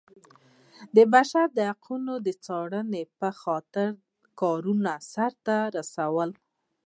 د بشر د حقونو د څارنې په خاطر کارونه سرته رسولي.